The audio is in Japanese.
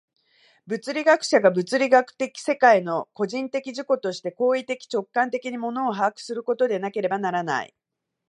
物理学者が物理学的世界の個人的自己として行為的直観的に物を把握することでなければならない。